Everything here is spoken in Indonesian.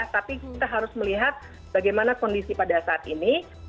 tapi kita harus melihat bagaimana kondisi pada saat ini